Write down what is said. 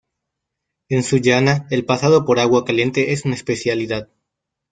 En Sullana el pasado por agua caliente es una especialidad.